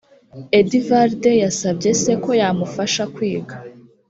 edvard yasabye se ko yamufasha kwiga